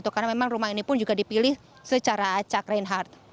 yang ini pun juga dipilih secara acak reinhardt